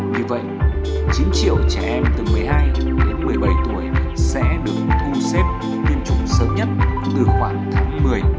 như vậy chín triệu trẻ em từ một mươi hai đến một mươi bảy tuổi sẽ được thu xếp tiêm chủng sớm nhất từ khoảng tháng một mươi